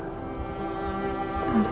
aku merasa sangat